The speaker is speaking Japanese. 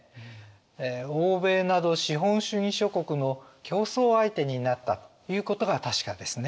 欧米など資本主義諸国の競争相手になったということが確かですね。